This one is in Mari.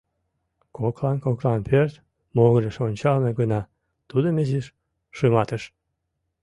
Коклан-коклан пӧрт могырыш ончалме гына тудым изиш шыматыш.